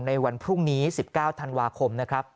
ในวันพรุ่งนี้๑๙ธันวาคมนะครับ